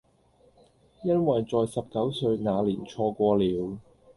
因為在十九歲那年錯過了